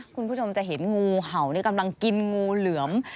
คุณผู้ชมจะเห็นงูเห่านี่กำลังกินงูเหลือม